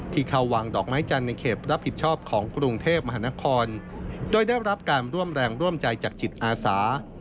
ที่เข้าวางดอกไม้จันทร์ในเขตรับผิดชอบของกรุงเทพมหานครโดยได้รับการร่วมแรงร่วมใจจากจิตอาสา